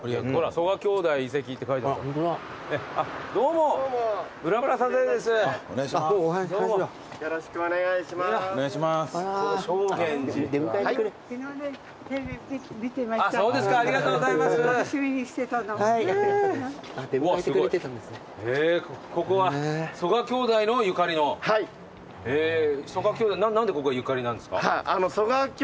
曽我兄弟何でここがゆかりなんですか？